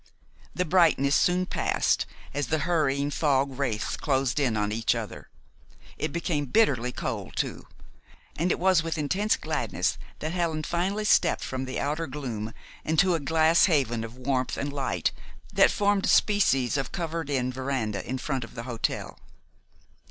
The brightness soon passed, as the hurrying fog wraiths closed in on each other. It became bitterly cold too, and it was with intense gladness that Helen finally stepped from the outer gloom into a glass haven of warmth and light that formed a species of covered in veranda in front of the hotel.